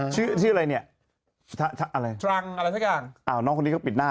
ชื่อชื่ออะไรเนี่ยอะไรตรังอะไรสักอย่างอ้าวน้องคนนี้ก็ปิดหน้า